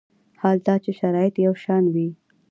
حال دا چې شرایط یو شان وي.